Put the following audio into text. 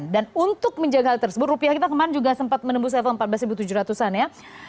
dan untuk menjaga hal tersebut rupiah kita kemarin juga sempat menembus level rp empat belas tujuh ratus an ya